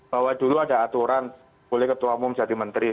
bahwa dulu ada aturan boleh ketua umum jadi menteri